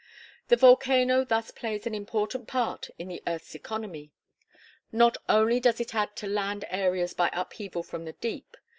The volcano thus plays an important part in the earth's economy. Not only does it add to land areas by upheaval from the deep.